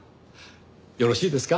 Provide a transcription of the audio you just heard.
よろしいですか？